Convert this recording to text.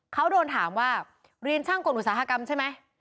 เขาโดนถามว่าเรียนช่างกลมอุตสาหกรรมใช่ไหม